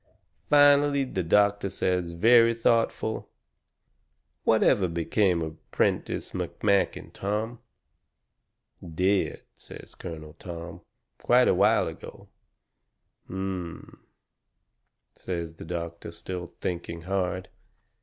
Finally the doctor says very thoughtful: "Whatever became of Prentiss McMakin, Tom?" "Dead," says Colonel Tom, "quite a while ago." "H m," says the doctor, still thinking hard.